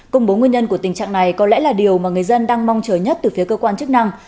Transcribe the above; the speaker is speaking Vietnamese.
công bố nguyên nhân của tình trạng này có lẽ là điều mà người dân đang mong chờ nhất từ phía cơ quan chức năng